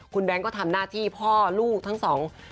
คุณแบงค์ก็ทำหน้าที่พ่อลูกทั้งสอง